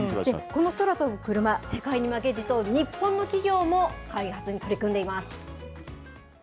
この空飛ぶクルマ、世界に負けじと日本の企業も開発に取り組んでいます。